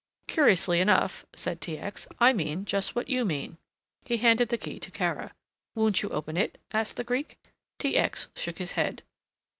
"Curiously enough," said T. X. "I mean just what you mean." He handed the key to Kara. "Won't you open it?" asked the Greek. T. X. shook his head.